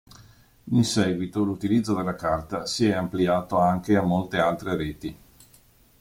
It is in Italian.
In seguito l'utilizzo della carta si è ampliato anche a molte altre reti.